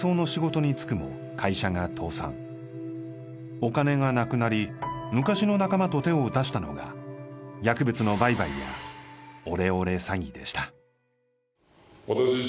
お金がなくなり昔の仲間と手を出したのが薬物の売買やオレオレ詐欺でした。